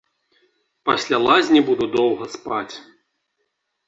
Пасля лазні буду доўга спаць.